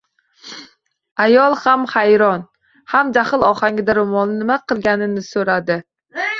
Ayol ham hayron, ham jahl ohangida ro`molni nima qilganligini so`radi